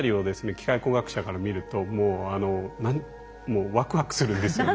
機械工学者から見るともうワクワクするんですよね。